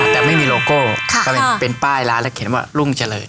แต่ไม่มีโลโก้ก็เป็นป้ายร้านแล้วเขียนว่ารุ่งเจริญ